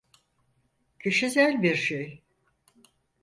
Kişisel bir şey.